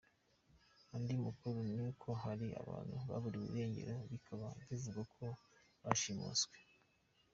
Andi makuru ni uko hari abantu baburiwe irengero, bikaba bivugwa ko bashimuswe.